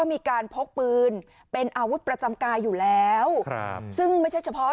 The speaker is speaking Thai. มีการพกปืนเป็นอาวุธประจำกายอยู่แล้วครับซึ่งไม่ใช่เฉพาะ